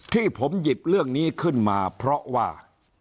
ที่ผมหยิบเรื่องนี้ขึ้นมาเพราะว่า